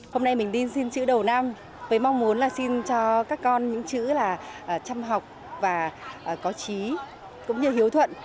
hôm nay mình đi xin chữ đầu năm với mong muốn là xin cho các con những chữ là chăm học và có trí cũng như hiếu thuận